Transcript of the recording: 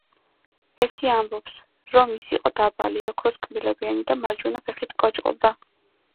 ერთი ამბობს, რომ ის იყო დაბალი, ოქროს კბილებიანი და მარჯვენა ფეხით კოჭლობდა.